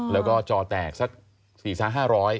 อ๋อแล้วก็จอแตกสักสี่สามห้าร้อย